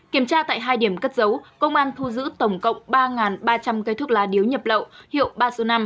kiểm tra tại hai điểm cất dấu công an thu giữ tổng cộng ba ba trăm linh cây thuốc lá điếu nhập lậu